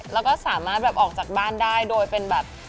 แล้วก็สามารถแบบออกจากบ้านได้โดยเป็นแบบ